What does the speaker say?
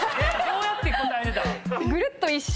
どうやって答えてたん？